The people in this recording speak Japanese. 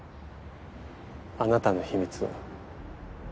あなたの秘密を。